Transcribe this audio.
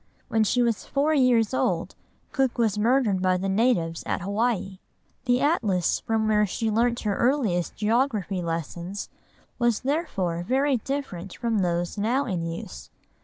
When she was four years old, Cook was murdered by the natives at Hawaii. The atlas from which she learnt her earliest geography lessons was therefore very different from those now in use.